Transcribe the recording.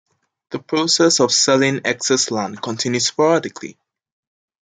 The process of selling excess land continued sporadically.